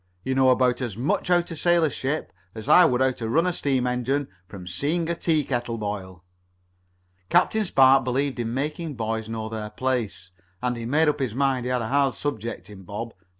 You know about as much how to sail a ship as I would how to run a steam engine from seeing a tea kettle boil." Captain Spark believed in making boys know their place, and he made up his mind he had a hard subject in Bob.